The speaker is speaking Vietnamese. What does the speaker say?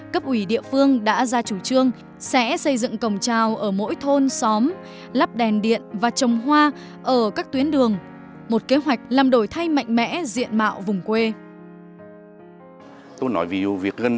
cấp ủy địa phương đã ra chủ trương sẽ xây dựng cổng trào ở mỗi thôn xóm lắp đèn điện và trồng hoa ở các tuyến đường một kế hoạch làm đổi thay mạnh mẽ diện mạo vùng quê